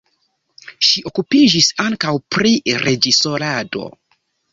Ŝi okupiĝis ankaŭ pri reĝisorado.